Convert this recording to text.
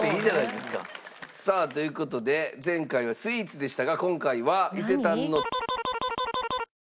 さあという事で前回はスイーツでしたが今回は。